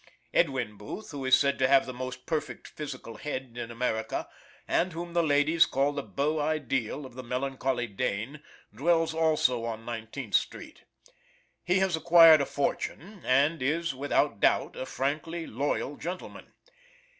Edwin Booth, who is said to have the most perfect physical head in America, and whom the ladies call the beau ideal of the melancholy Dane, dwells also on Nineteenth street. He has acquired a fortune, and is, without doubt, a frankly loyal gentleman.